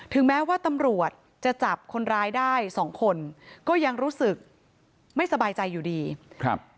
แม้ว่าตำรวจจะจับคนร้ายได้สองคนก็ยังรู้สึกไม่สบายใจอยู่ดีครับ